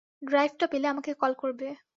ড্রাইভটা পেলে আমাকে কল করবে।